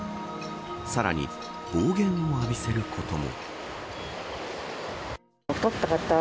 さらに暴言を浴びせることも。